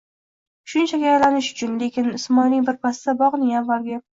Shunchaki, aylanish uchun... Lekin Ismoilning bir pasda bog'ning avvalgi